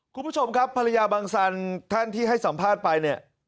คุณผู้ชมครับภรรยาบังสันท่านที่ให้สัมภาษณ์ไปเนี่ย